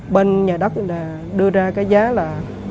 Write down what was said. bên nhà đất đưa ra cái giá là